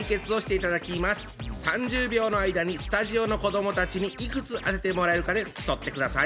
３０秒の間にスタジオの子どもたちにいくつ当ててもらえるかで競ってください。